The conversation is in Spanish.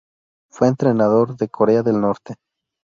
Fue entrenador de Corea del Norte.